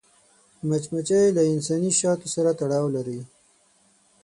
مچمچۍ له انساني شاتو سره تړاو لري